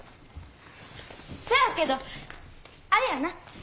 せやけどあれやな。